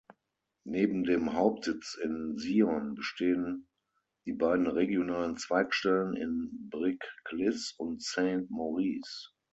Neben dem Hauptsitz in Sion bestehen die beiden regionalen Zweigstellen in Brig-Glis und Saint-Maurice.